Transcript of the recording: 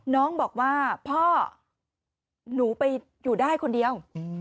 น้องบอกว่าพ่อหนูไปอยู่ได้คนเดียว